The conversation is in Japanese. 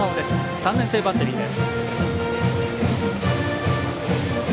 ３年生バッテリーです。